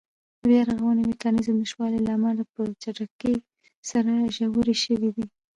د بیا رغونې میکانېزم د نشتوالي له امله په چټکۍ سره ژورې شوې دي.